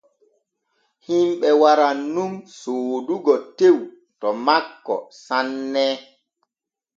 Himɓe waran nun soodugo tew to makko sanne.